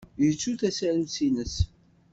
Yettu tasarut-nnes.